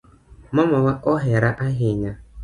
Mamawa ohera ahinya